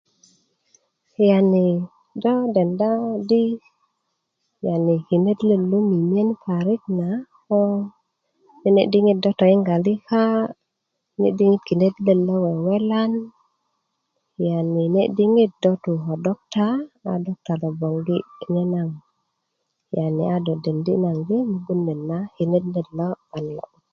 yani do denda di kinet let lo mimiyen parik na ko nene diŋit do toyinga lika ne diŋit kinet let lo wewelan yani ne diŋit do tu ko doctor a doctor lo bongi nye naŋ a do dendi di mugun net na ko de kinet let lo 'bayin a lo'but